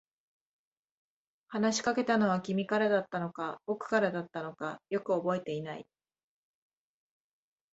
話しかけたのは君からだったのか、僕からだったのか、よく覚えていない。